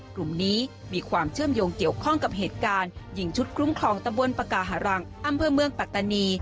กลุ่มนี้มีความเชื่อมโยงเกี่ยวข้องกับเหตุการณ์ยิงชุดคุ้มครองตะบนปากาหารังอำเภอเมืองปัตตานี